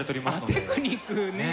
テクニックねえ。